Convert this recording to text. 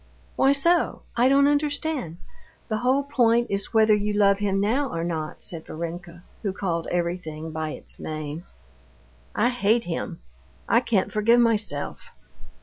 "Why so? I don't understand. The whole point is whether you love him now or not," said Varenka, who called everything by its name. "I hate him; I can't forgive myself."